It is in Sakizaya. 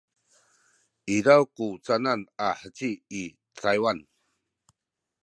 izaw ku canan a heci i Taywan?